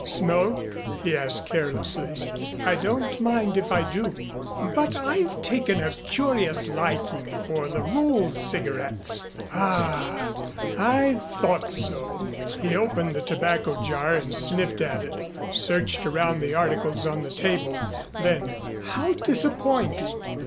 "Smoke?" he asked carelessly. "I don't mind if I do. But I've taken a curious liking for rolled cigarettes. Ah! I thought so." He opened the tobacco jar and sniffed at it, searched around the articles on the table, then, "How disappointing!